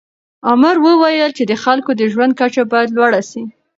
امر وویل چې د خلکو د ژوند کچه باید لوړه سي.